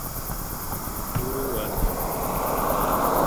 Uruana